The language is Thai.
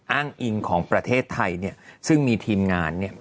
อ้างอิงของประเทศไทยเนี่ยซึ่งมีทีมงานเนี่ย